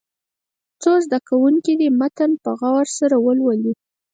څو زده کوونکي دې متن په غور سره ولولي.